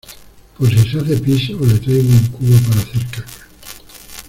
por si se hace pis o le traigo un cubo para hacer caca?